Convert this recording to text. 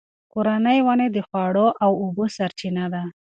کورني ونې د خواړو او اوبو سرچینه ده.